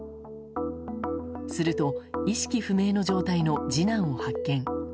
すると、意識不明の状態の次男を発見。